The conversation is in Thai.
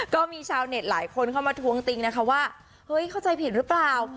ก็มีชาวเน็ตหลายคนเข้ามาทวงติงนะคะว่าเฮ้ยเข้าใจผิดหรือเปล่า